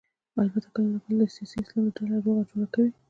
البته کله نا کله د سیاسي اسلام ډلې روغه جوړه کوي.